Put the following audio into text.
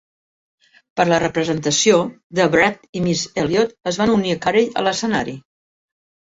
Per a la representació, Da Brat i Missy Elliott es van unir a Carey a l'escenari.